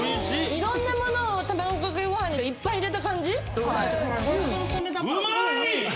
いろんな物を卵掛けご飯にいっぱい入れた感じ。